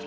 aduh j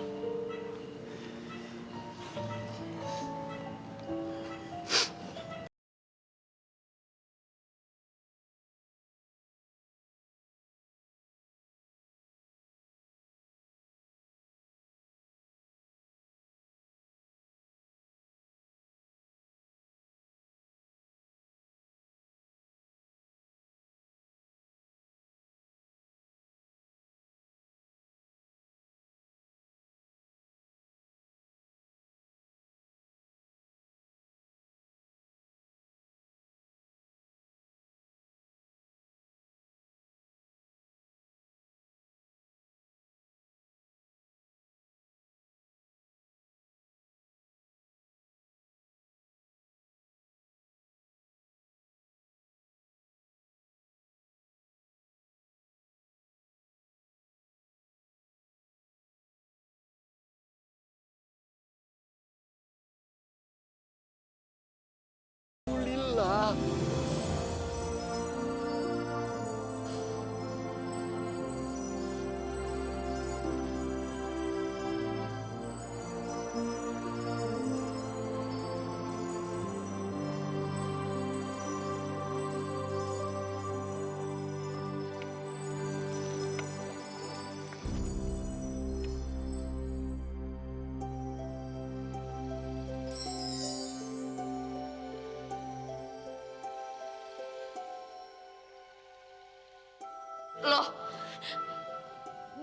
study